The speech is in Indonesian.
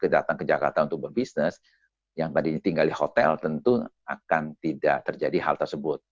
datang ke jakarta untuk berbisnis yang tadinya tinggal di hotel tentu akan tidak terjadi hal tersebut